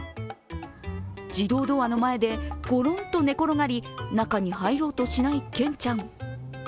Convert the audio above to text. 自動ドアの前でごろんと寝転がり中に入ろうとしないケンちゃん。